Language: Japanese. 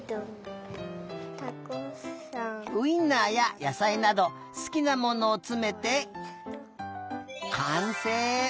ウインナーややさいなどすきなものをつめてかんせい！